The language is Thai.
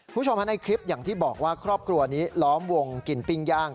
คุณผู้ชมฮะในคลิปอย่างที่บอกว่าครอบครัวนี้ล้อมวงกินปิ้งย่าง